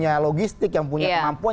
punya logistik yang punya kemampuan